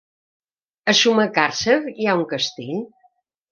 A Sumacàrcer hi ha un castell?